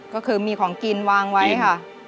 ก็คือมีของกินวางไว้ค่ะ